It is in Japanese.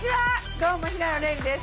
どうも平野レミです。